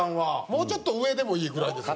もうちょっと上でもいいぐらいです。